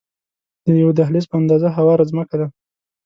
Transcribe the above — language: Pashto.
د یوه دهلیز په اندازه هواره ځمکه ده.